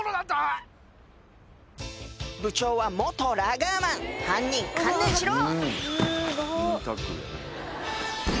部長は元ラガーマン犯人観念しろ！